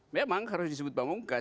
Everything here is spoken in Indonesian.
memang harus disebut pamungkas